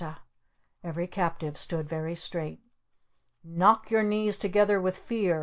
Every captive stood very straight. "Knock your knees together with fear!"